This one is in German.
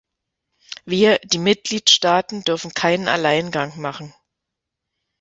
Wir, die Mitgliedstaaten dürfen keinen Alleingang machen.